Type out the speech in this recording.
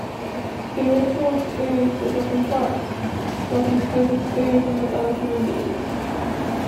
Spiritual experiences are complex, like intense experiences with other human beings.